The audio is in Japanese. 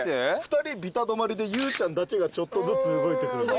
２人びた止まりでユーちゃんだけがちょっとずつ動いてく。